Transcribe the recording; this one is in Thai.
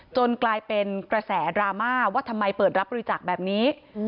กลายเป็นกระแสดราม่าว่าทำไมเปิดรับบริจาคแบบนี้